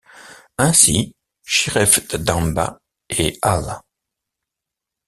Ainsi, Shirevdamba et al.